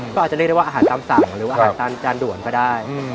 ก็อาจจะเรียกได้ว่าอาหารตามสั่งหรืออาหารตามจานด่วนก็ได้